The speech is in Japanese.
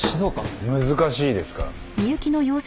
難しいですか？